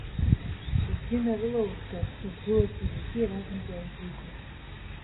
Убжьы нарылаургар, угәылацәа зегьы иаразнак иааизугон.